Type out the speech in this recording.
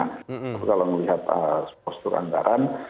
tapi kalau melihat postur anggaran